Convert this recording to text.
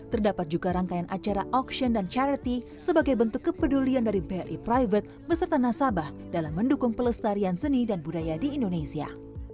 terdapat juga rangkaian acara auction dan charity sebagai bentuk kepedulian dari bri private beserta nasabah dalam mendukung pelestarian seni dan budaya di indonesia